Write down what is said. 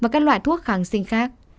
các loại thuốc kháng sinh khác